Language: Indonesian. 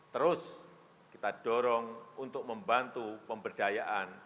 terus kita dorong untuk membantu pemberdayaan